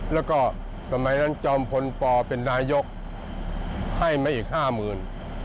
แล้วก็สมัยนั้นจอมพลปเป็นนายกให้มาอีกห้าหมื่น